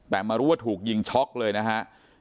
แต่มารู้ว่าถูกยิงช็อกเลยนะฮะ